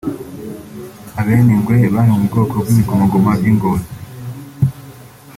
Abenengwe bwari ubwoko bw’ibikomangoma by’i Ngozi